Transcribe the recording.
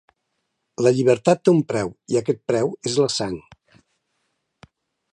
La llibertat té un preu, i aquest preu és la sang.